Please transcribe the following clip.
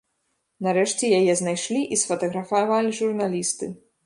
Нарэшце, яе знайшлі і сфатаграфавалі журналісты.